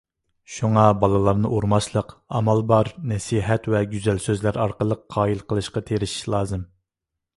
شۇڭا بالىلارنى ئۇرماسلىق، ئامال بار نەسىھەت ۋە گۈزەل سۆزلەر ئارقىلىق قايىل قىلىشقا تىرىشىش لازىم.